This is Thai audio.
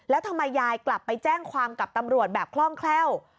แล้วทำไมยายกลับไปแจ้งความกับตำรวจแบบคล่องแคล่ว